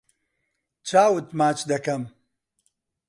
چاوت ماچ دەکەم.